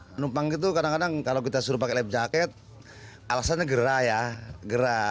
penumpang itu kadang kadang kalau kita suruh pakai life jaket alasannya gerah ya gerah